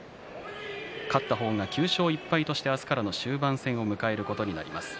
勝った方が９勝１敗として明日からの終盤戦を迎えることになります。